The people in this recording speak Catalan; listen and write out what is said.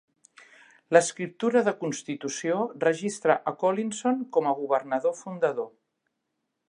L'escriptura de constitució registra a Collinson com a governador fundador.